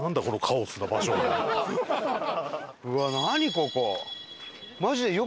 ここ。